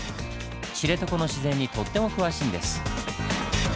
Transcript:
知床の自然にとっても詳しいんです。